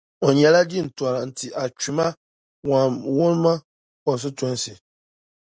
O nyɛla jintɔra n-ti Atwima-Kwanwoma Constituency.